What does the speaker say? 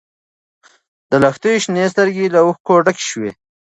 د لښتې شنې سترګې له اوښکو ډکې شوې.